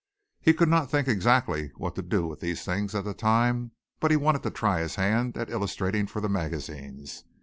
He could not think exactly what to do with these things at that time, but he wanted to try his hand at illustrating for the magazines.